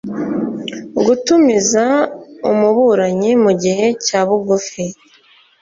gutumiza umuburanyi mu gihe cya bugufi